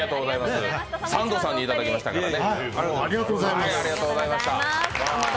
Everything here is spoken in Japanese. サンドさんにいただきましたからね。